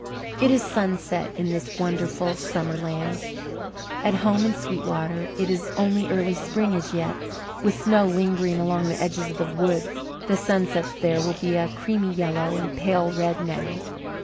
It is sunset in this wonderful summer land. At home in Sweetwater it is only early spring as yet, with snow lingering along the edges of the woods. The sunsets there will be creamy yellow and pale red now.